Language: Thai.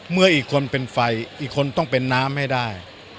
เมื่ออีกคนเป็นไฟอีกคนต้องเป็นน้ำให้ได้